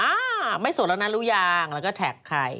อ่าไม่โสดแล้วนะรู้ยังแล้วก็แท็กใคร